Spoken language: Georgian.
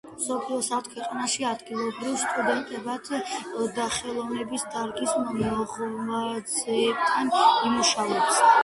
მსოფლიოს ათ ქვეყანაში ადგილობრივ სტუდენტებთან და ხელოვნების დარგის მოღვაწეებთან იმუშავებს.